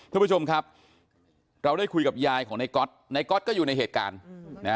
ทุกผู้ชมครับเราได้คุยกับยายของในก๊อตในก๊อตก็อยู่ในเหตุการณ์นะ